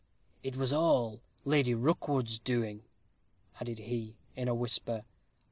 It was all Lady Rookwood's doing," added he, in a whisper.